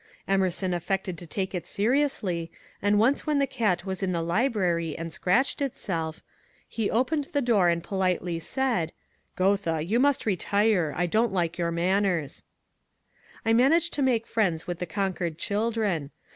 Emerson affected to take it seriously, and once when the cat was in the library and scratched itself, he opened the door and politely said, ^^ Goethe, you must retire ; I don't like your manners." 148 MONCURE DANIEL CONWAY I managed to make friends with the Concord children.